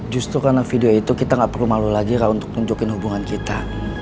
justru karena video itu kita nggak perlu malu lagi untuk nunjukin hubungan kita